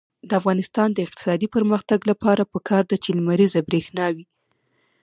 د افغانستان د اقتصادي پرمختګ لپاره پکار ده چې لمریزه برښنا وي.